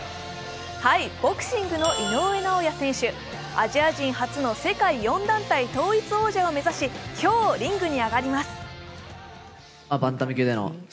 ボクシングの井上尚弥選手、アジア人初の世界４団体統一王者を目指し、今日、リングに上がります。